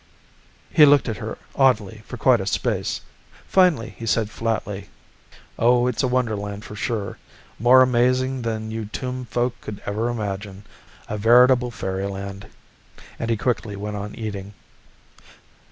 He looked at her oddly for quite a space. Finally, he said flatly, "Oh, it's a wonderland for sure, more amazing than you tombed folk could ever imagine. A veritable fairyland." And he quickly went on eating.